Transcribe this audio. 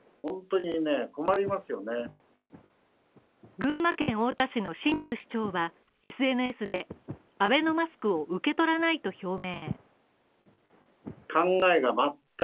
群馬県太田市の清水市長はＳＮＳでアベノマスクを受け取らないと表明。